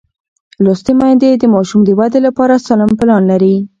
لوستې میندې د ماشوم د وده لپاره سالم پلان لري.